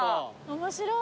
面白い。